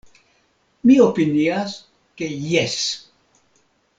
Mi opinias ke jes.